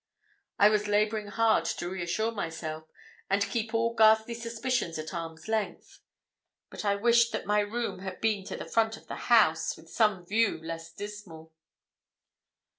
I was labouring hard to reassure myself, and keep all ghastly suspicions at arm's length. But I wished that my room had been to the front of the house, with some view less dismal.